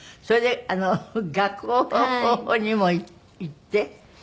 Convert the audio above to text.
それで学校にも行って。